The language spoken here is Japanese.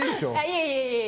いえいえ。